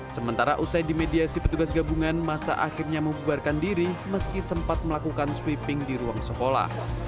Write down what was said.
sementara usai dimediasi petugas gabungan masa akhirnya membuarkan diri meski sempat melakukan sweeping di ruang sekolah